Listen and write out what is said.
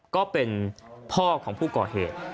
ก็เป็นพ่อของผู้ก่อเหตุ